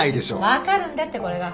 わかるんだってこれが。